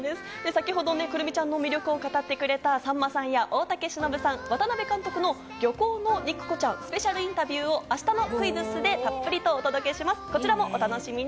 先ほど来泉ちゃんの魅力を語ってくれた、さんまさんや大竹しのぶさん、渡辺監督の『漁港の肉子ちゃん』スペシャルインタビューを明日のクイズッスでたっぷりお届けします、お楽しみに。